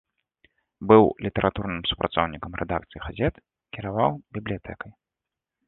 Быў літаратурным супрацоўнікам рэдакцый газет, кіраваў бібліятэкай.